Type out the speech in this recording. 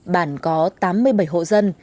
bản có tám mươi bảy hộ dân